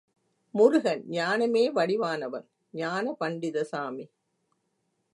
முருகன் ஞானமே வடிவானவன் ஞானபண்டித சாமி.